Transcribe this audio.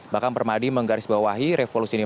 bahkan permadi menggarisbawahi revolusi ini